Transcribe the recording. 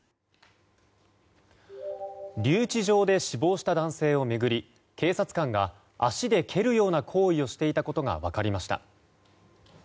留置場で死亡した男性を巡り警察官が足で蹴るような行為をしていたことが分かりました。